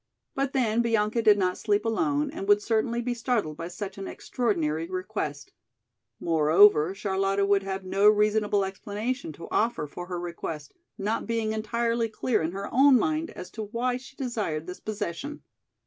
But then Bianca did not sleep alone and would certainly be startled by such an extraordinary request. Moreover, Charlotta would have no reasonable explanation to offer for her request not being entirely clear in her own mind as to why she desired this possession.